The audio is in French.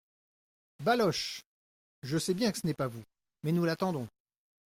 Baloche ,— Je sais bien que ce n’est pas vous ! mais nous l’attendons.